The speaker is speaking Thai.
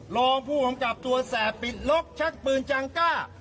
รองผู้กำกับตัวแสบปิดล็อกชักปืนจังก้า